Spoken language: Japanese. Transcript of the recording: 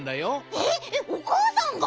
えっおかあさんが？